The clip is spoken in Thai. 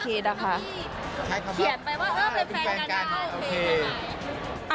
เขียนไปว่าเออเป็นแฟนการณ์ได้โอเค